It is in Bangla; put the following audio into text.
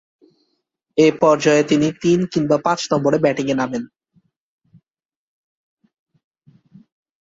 এ পর্যায়ে তিনি তিন কিংবা পাঁচ নম্বরে ব্যাটিংয়ে নামেন।